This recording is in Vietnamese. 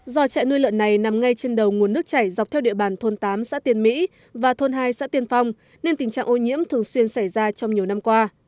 do trại nuôi lợn này nằm ngay trên đầu nguồn nước chảy dọc theo địa bàn thôn tám xã tiên mỹ và thôn hai xã tiên phong nên tình trạng ô nhiễm thường xuyên xảy ra trong nhiều năm qua